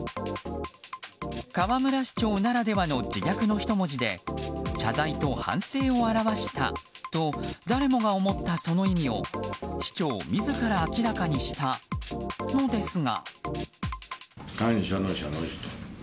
河村市長ならではの自虐の１文字で謝罪と反省を表したと誰もが思ったその意味を市長自ら明らかにしたのですが。